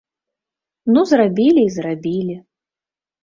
Ну, зрабілі і зрабілі.